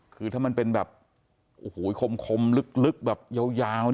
คือถ้ามันเป็นแบบโอ้โหคมลึกแบบยาว